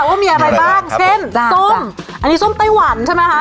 ว่ามีอะไรบ้างเช่นส้มอันนี้ส้มไต้หวันใช่ไหมคะ